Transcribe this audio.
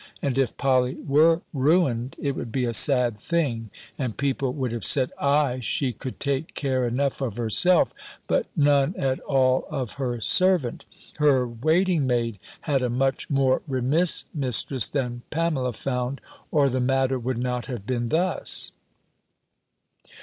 And if Polly were ruined, it would be a sad thing, and people would have said, "Aye, she could take care enough of herself, but none at all of her servant: her waiting maid had a much more remiss mistress than Pamela found, or the matter would not have been thus."